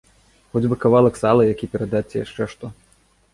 Хоць бы кавалак сала які перадаць ці яшчэ што.